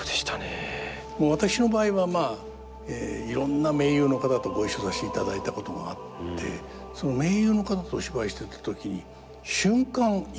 私の場合はまあいろんな名優の方とご一緒させていただいたことがあってその名優の方とお芝居してた時に瞬間「今俺はどこにいるの？